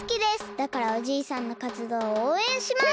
だからおじいさんのかつどうをおうえんします！